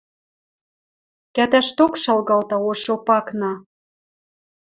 Кӓтӓшток шалгалта ош Опакна